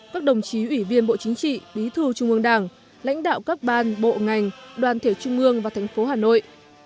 các đồng chí ủy viên bộ chính trị bí thư trung mương đảng lãnh đạo các ban bộ ngành đoàn thể trung mương và tp hà nội